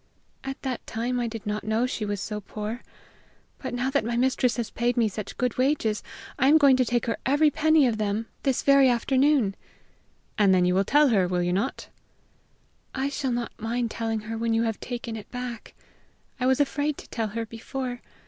"At that time I did not know she was so poor. But now that my mistress has paid me such good wages, I am going to take her every penny of them this very afternoon." "And then you will tell her, will you not?" "I shall not mind telling her when you have taken it back. I was afraid to tell her before!